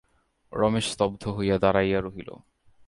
রমেশ স্তব্ধ হইয়া দাঁড়াইয়া রহিল।